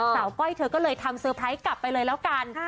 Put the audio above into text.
ก้อยเธอก็เลยทำเตอร์ไพรส์กลับไปเลยแล้วกัน